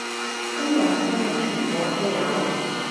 今日真係全國都有